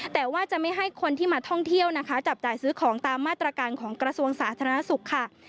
แต่ว่าจะไม่ให้คนที่มาท่องเที่ยวนะคะจับจ่ายซื้อของตามมาตรการของกระทรวงสาธารณสุขค่ะ